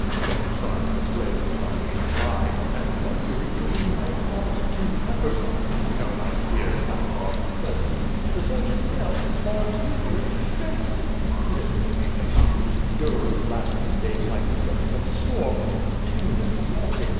But, besides the slave whom I wish to buy, and Mercury, to Vwhom I have promised two heifers (and ye know how dear cattle are at present), the search itself involves numerous ex l^jnses. Listen to me patiently. During these last few days my feet have become sore from continuous walking.